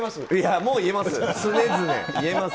もう言えます？